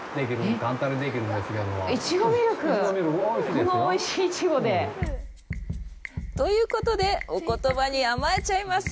このおいしいイチゴで？ということで、お言葉に甘えちゃいます！